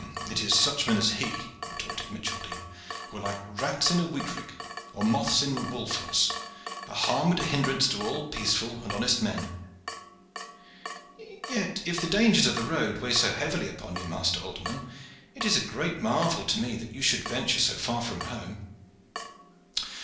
"It is such men as he," retorted Micheldene, "who are like rats in a wheat rick or moths in a woolfels, a harm and a hindrance to all peaceful and honest men." "Yet, if the dangers of the road weigh so heavily upon you, master alderman, it is a great marvel to me that you should venture so far from home."